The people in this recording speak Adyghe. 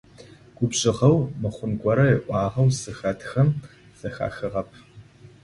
Губжыгъэу, мыхъун горэ ыӏуагъэу зыхэтхэм зэхахыгъэп.